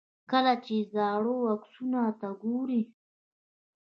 کله چې زاړو عکسونو ته ګورئ.